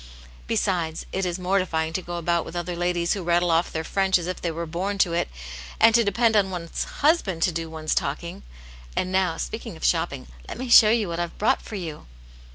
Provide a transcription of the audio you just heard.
Besides, it is mor tifying to go about with other ladies who rattle off their French as if they were born to it, and to depend on one's husband to do one's talking. And now, speaking of shopping, let me show you what I've brought for you."